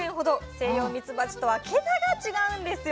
セイヨウミツバチとは桁が違うんですよ。